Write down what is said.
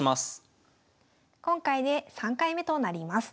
今回で３回目となります。